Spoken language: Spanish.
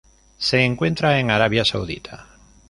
Se encuentra en Arabia Saudita.